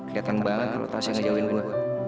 liatan banget lu tau siapa yang ngejauhin gue